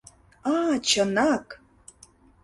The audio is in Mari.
— А чынак!